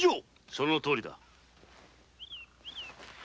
そのとおりだ。